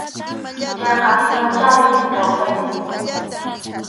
Chayqa hinachá riki kawsayniy.